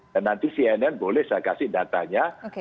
dan nanti cnn boleh saya kasih datanya